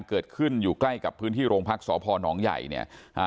เกิดขึ้นอยู่ใกล้กับพื้นที่โรงพักษพนใหญ่เนี่ยอ่า